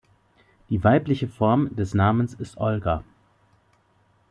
Die weibliche Form des Namens ist Olga.